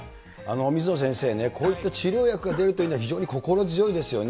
水野先生ね、こういった治療薬がでるというのは非常に心強いですよね。